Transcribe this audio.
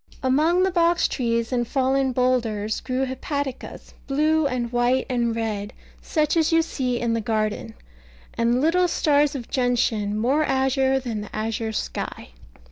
Among the box trees and fallen boulders grew hepaticas, blue and white and red, such as you see in the garden; and little stars of gentian, more azure than the azure sky.